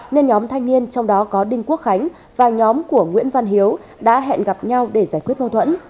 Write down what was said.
nên nhóm thanh niên trong đó có đinh quốc khánh và nhóm của nguyễn văn hiếu đã hẹn gặp nhau để giải quyết mâu thuẫn